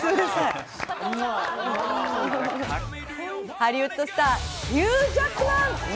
ハリウッドスター、ヒュー・ジャックマン。